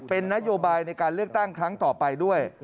เป็นนโยบายในการเลือกตั้งครั้งต่อไปด้วย